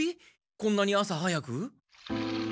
こんなに朝早く？